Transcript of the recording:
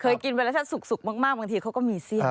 เคยกินไว้รสชาติสุกมากบางทีเขาก็มีเส้นนะ